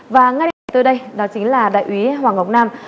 và ngay từ đây đó chính là đại úy hoàng ngọc nam